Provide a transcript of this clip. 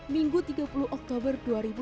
minggu tiga puluh oktober dua ribu dua puluh